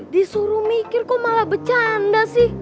disuruh mikir kok malah bercanda sih